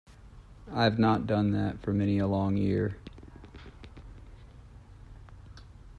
I have not done that for many a long year!